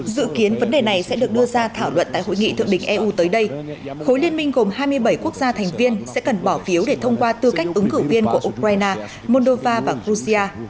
dự kiến vấn đề này sẽ được đưa ra thảo luận tại hội nghị thượng đỉnh eu tới đây khối liên minh gồm hai mươi bảy quốc gia thành viên sẽ cần bỏ phiếu để thông qua tư cách ứng cử viên của ukraine moldova và georgia